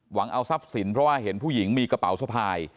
เอาทรัพย์สินเพราะว่าเห็นผู้หญิงมีกระเป๋าสะพาย